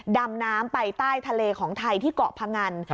ดำน้ำไปใต้ทะเลของไทยที่เกาะพงัน